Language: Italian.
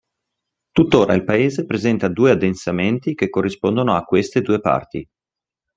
Tuttora il paese presenta due addensamenti che corrispondono a queste due parti.